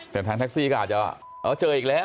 แต่ทางแท็กซี่ก็อาจจะเจออีกแล้ว